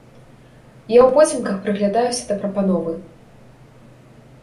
Я ўпоцемках прыглядаюся да прапановы.